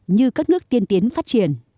như các nước tiên tiến phát triển